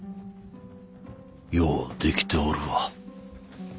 よう出来ておるわ。